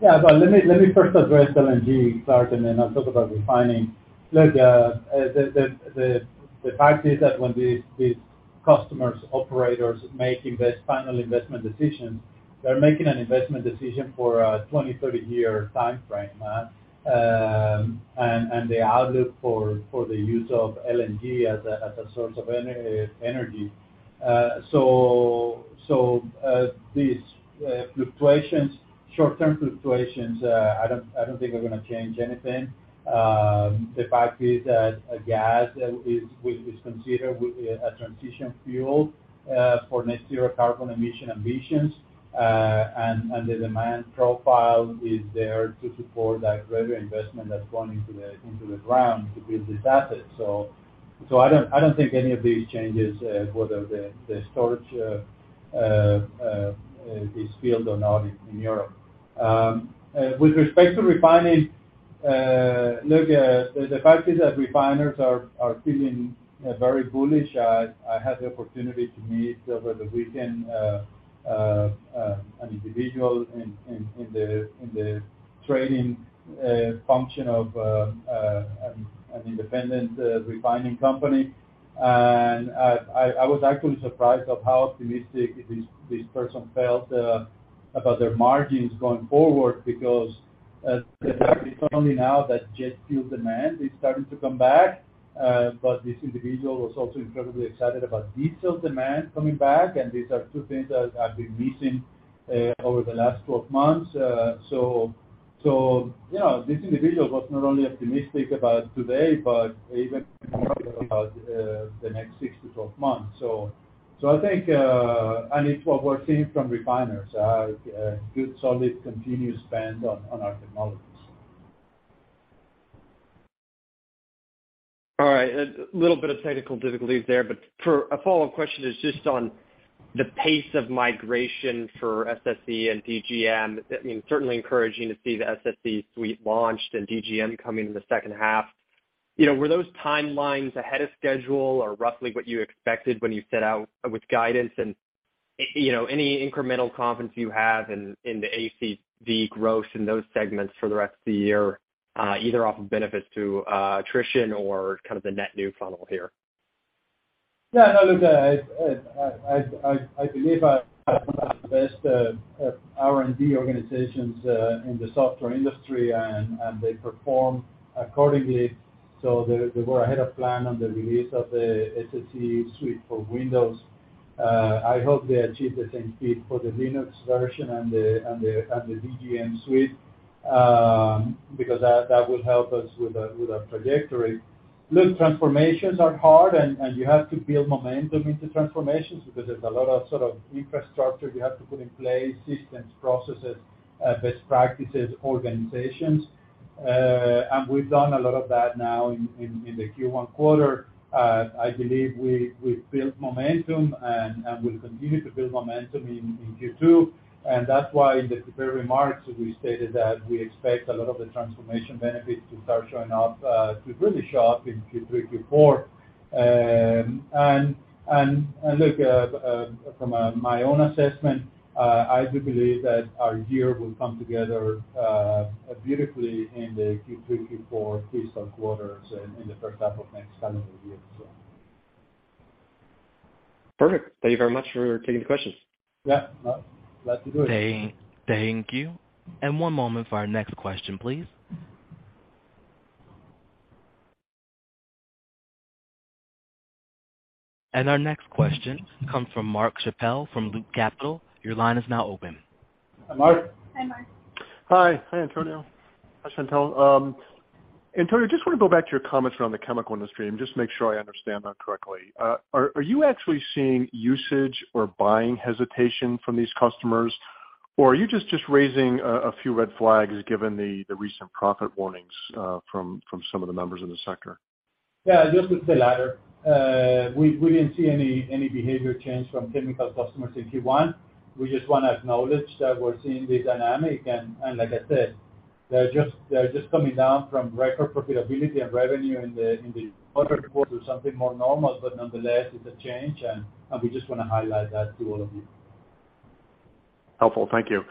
Speaker 3: Yeah. Well, let me first address LNG, Clarke, and then I'll talk about refining. Look, the fact is that when these customers, operators make final investment decisions, they're making an investment decision for a 20-30 year timeframe, and the outlook for the use of LNG as a source of energy. So, these short-term fluctuations, I don't think are gonna change anything. The fact is that gas is considered a transition fuel for net zero carbon emission ambitions. And the demand profile is there to support that greater investment that's gone into the ground to build this asset. I don't think any of these changes, whether the storage is filled or not in Europe. With respect to refining, look, the fact is that refiners are feeling very bullish. I had the opportunity to meet over the weekend an individual in the trading function of an independent refining company. I was actually surprised of how optimistic this person felt about their margins going forward because the fact is not only now that jet fuel demand is starting to come back, but this individual was also incredibly excited about diesel demand coming back, and these are two things that have been missing over the last 12 months. Yeah, this individual was not only optimistic about today, but even more about the next six to12 months. I think and it's what we're seeing from refiners, a good, solid, continuous spend on our technologies.
Speaker 10: All right. A little bit of technical difficulties there, but for a follow-up question is just on the pace of migration for SSE and DGM. I mean, certainly encouraging to see the SSE suite launched and DGM coming in the second half. You know, were those timelines ahead of schedule or roughly what you expected when you set out with guidance? You know, any incremental confidence you have in the ACV growth in those segments for the rest of the year, either off of benefits to attrition or kind of the net new funnel here?
Speaker 3: Yeah. No, look, I believe I have one of the best R&D organizations in the software industry and they perform accordingly. They were ahead of plan on the release of the SSE suite for Windows. I hope they achieve the same feat for the Linux version and the DGM suite, because that will help us with our trajectory. Look, transformations are hard and you have to build momentum into transformations because there's a lot of sort of infrastructure you have to put in place, systems, processes, best practices, organizations. We've done a lot of that now in the Q1 quarter. I believe we've built momentum and we'll continue to build momentum in Q2. That's why in the prepared remarks, we stated that we expect a lot of the transformation benefits to start showing up, to really show up in Q3, Q4. Look, from my own assessment, I do believe that our year will come together beautifully in the Q3, Q4 fiscal quarters and in the first half of next calendar year.
Speaker 10: Perfect. Thank you very much for taking the questions.
Speaker 3: Yeah. No, glad to do it.
Speaker 1: Thank you. One moment for our next question, please. Our next question comes from Mark Schappel from Loop Capital. Your line is now open.
Speaker 3: Hi, Mark.
Speaker 4: Hi, Mark.
Speaker 11: Hi. Hi, Antonio. Hi, Chantelle. Antonio, just wanna go back to your comments around the chemical industry and just make sure I understand that correctly. Are you actually seeing usage or buying hesitation from these customers, or are you just raising a few red flags given the recent profit warnings from some of the members in the sector?
Speaker 3: Yeah, just it's the latter. We didn't see any behavior change from chemical customers in Q1. We just wanna acknowledge that we're seeing the dynamic and like I said, they're just coming down from record profitability and revenue in the quarter reported to something more normal. Nonetheless, it's a change and we just wanna highlight that to all of you.
Speaker 11: Helpful. Thank you.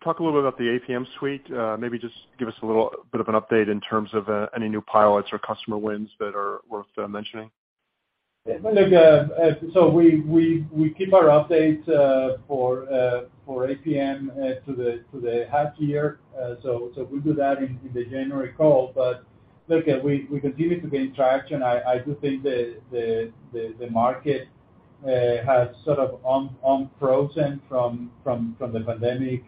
Speaker 11: Talk a little bit about the APM suite. Maybe just give us a little bit of an update in terms of any new pilots or customer wins that are worth mentioning.
Speaker 3: We keep our updates for APM to the half year. We'll do that in the January call. Look, we continue to gain traction. I do think the market has sort of unfrozen from the pandemic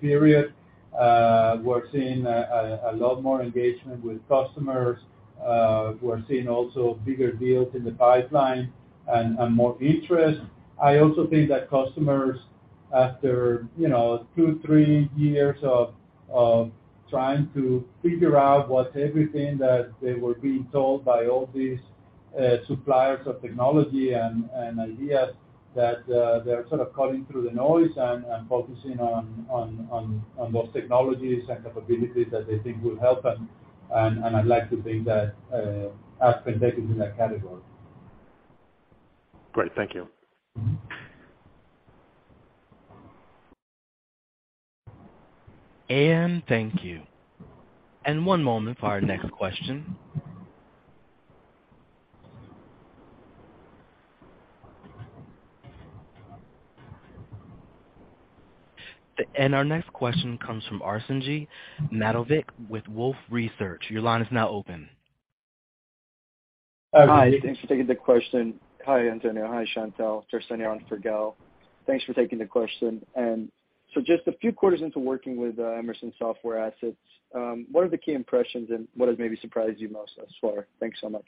Speaker 3: period. We're seeing a lot more engagement with customers. We're seeing also bigger deals in the pipeline and more interest. I also think that customers, after you know two, three years of trying to figure out what everything that they were being told by all these suppliers of technology and ideas, that they're sort of cutting through the noise and focusing on those technologies and capabilities that they think will help them. I'd like to think that AspenTech is in that category.
Speaker 11: Great. Thank you.
Speaker 1: Thank you. One moment for our next question. Our next question comes from Arsenije Matovic with Wolfe Research. Your line is now open.
Speaker 3: Hi, Arsenije.
Speaker 12: Hi. Thanks for taking the question. Hi, Antonio. Hi, Chantelle. Just a question for Gal. Thanks for taking the question. Just a few quarters into working with Emerson software assets, what are the key impressions and what has maybe surprised you most thus far? Thanks so much.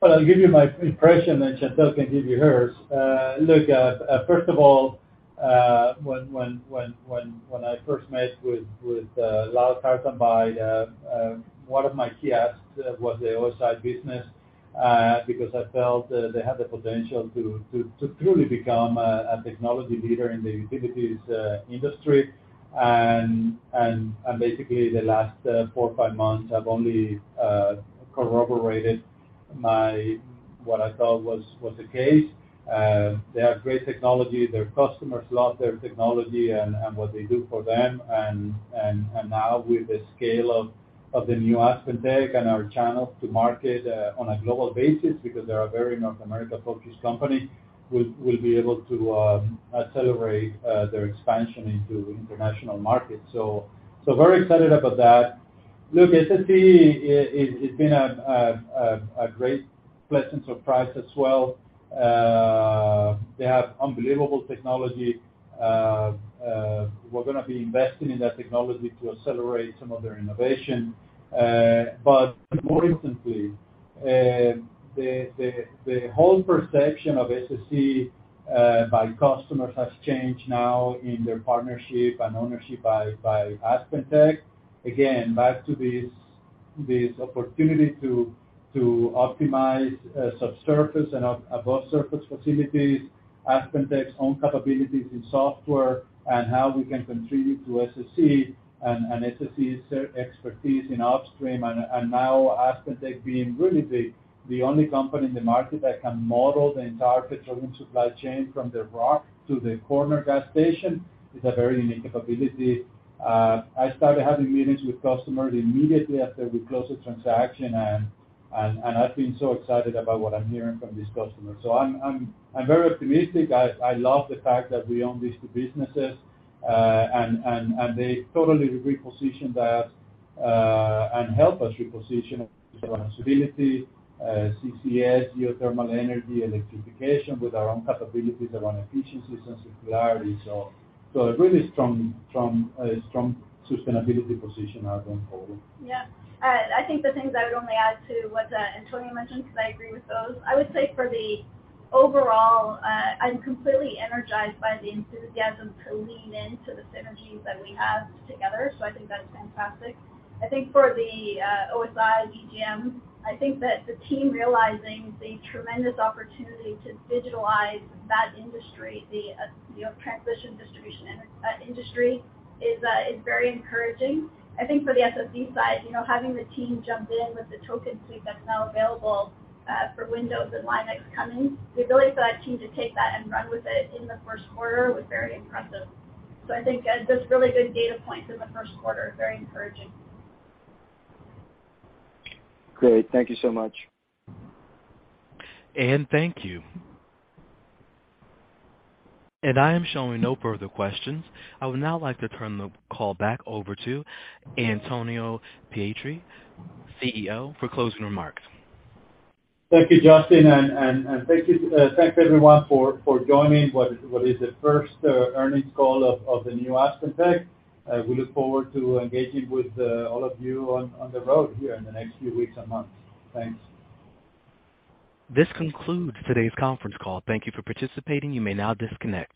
Speaker 3: Well, I'll give you my impression, and Chantelle can give you hers. Look, first of all, when I first met with Lal Karsanbhai, one of my key asks was the OSI business, because I felt they had the potential to truly become a technology leader in the utilities industry. Basically the last four or five months have only corroborated what I felt was the case. They have great technology. Their customers love their technology and what they do for them. Now with the scale of the new AspenTech and our channels to market on a global basis, because they're a very North America-focused company, we'll be able to accelerate their expansion into international markets. Very excited about that. Look, SSE, it's been a great pleasant surprise as well. They have unbelievable technology. We're gonna be investing in that technology to accelerate some of their innovation. More importantly, the whole perception of SSE by customers has changed now in their partnership and ownership by AspenTech. Back to this opportunity to optimize subsurface and above surface facilities, AspenTech's own capabilities in software and how we can contribute to SSE and SSE's expertise in upstream and now AspenTech being really the only company in the market that can model the entire petroleum supply chain from the rock to the corner gas station is a very unique capability. I started having meetings with customers immediately after we closed the transaction, and I've been so excited about what I'm hearing from these customers. I'm very optimistic. I love the fact that we own these two businesses, and they totally repositioned us, and help us reposition around stability, CCS, geothermal energy, electrification with our own capabilities around efficiencies and circularity. A really strong sustainability position going forward.
Speaker 4: I think the things I would only add to what Antonio mentioned, because I agree with those. I would say for the overall, I'm completely energized by the enthusiasm to lean into the synergies that we have together. I think that's fantastic. I think for the OSI, DGM, I think that the team realizing the tremendous opportunity to digitalize that industry, the, you know, transmission and distribution industry is very encouraging. I think for the SSE side, you know, having the team jump in with the SSE suite that's now available for Windows and Linux coming, the ability for that team to take that and run with it in the first quarter was very impressive. So I think there's really good data points in the first quarter. Very encouraging.
Speaker 12: Great. Thank you so much.
Speaker 1: Anne, thank you. I am showing no further questions. I would now like to turn the call back over to Antonio Pietri, CEO, for closing remarks.
Speaker 3: Thank you, Justin, and thank you, thanks, everyone for joining what is the first earnings call of the new AspenTech. We look forward to engaging with all of you on the road here in the next few weeks and months. Thanks.
Speaker 1: This concludes today's conference call. Thank you for participating. You may now disconnect.